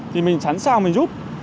thì mình sẵn sàng mình giúp